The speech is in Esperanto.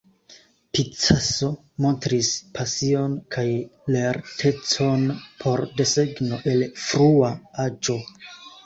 Picasso montris pasion kaj lertecon por desegno el frua aĝo.